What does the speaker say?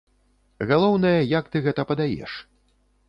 Галоўнае, як ты гэта падаеш.